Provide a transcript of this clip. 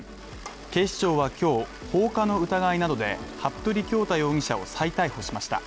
警視庁は今日、放火の疑いなどで服部恭太容疑者を再逮捕しました。